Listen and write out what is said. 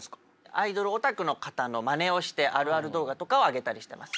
アイドルオタクの方のまねをしてあるある動画とかを上げたりしてます。